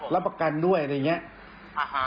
รับประกันด้วยอะไรอย่างนี้